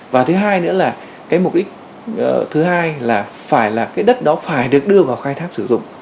và thứ hai nữa là mục đích thứ hai là đất đó phải được đưa vào khai tháp sử dụng